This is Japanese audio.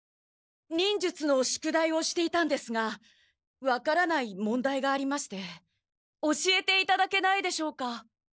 忍術の宿題をしていたんですが分からない問題がありまして教えていただけないでしょうか？